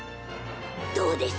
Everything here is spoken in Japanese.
どうです？